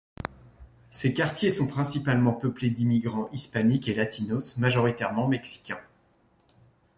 Ses quartiers sont principalement peuplés d'immigrants hispaniques et latinos, majoritairement mexicains.